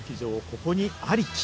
ここにありき」。